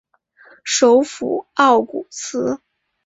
首府奥古兹。